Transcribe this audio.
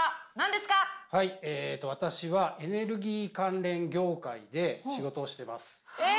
私はエネルギー関連業界で仕事をしてます。